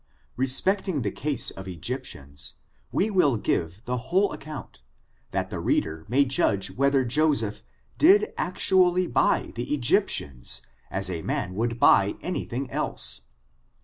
Respecting the case of the Elgyptians, we will giipv the whole account, that the reader may judge wheth* er Joseph did actually buy the Egyptians as a man would buy any thing else.